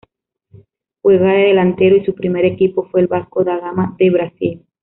Juega de delantero y su primer equipo fue el Vasco Da Gama de Brasil.